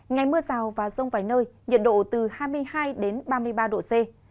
ngày mưa rào và rông vài nơi nhiệt độ từ hai mươi hai ba mươi ba độ c